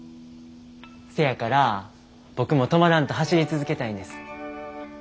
せやから僕も止まらんと走り続けたいんです。